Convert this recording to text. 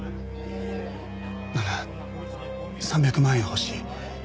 なら３００万円欲しい。